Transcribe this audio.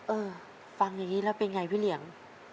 เออฟังอย่างนี้แล้วเป็นไงพี่เหลียง